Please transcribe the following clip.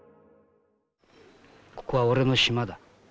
ここは俺のシマだ。